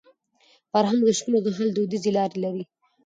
فرهنګ د شخړو د حل دودیزي لارې لري.